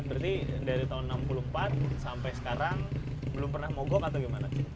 berarti dari tahun enam puluh empat sampai sekarang belum pernah mogok atau gimana